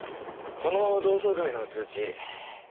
この同窓会の通知